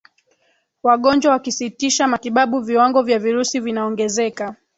wagonjwa wakisitisha matibabu viwango vya virusi vinaongezeka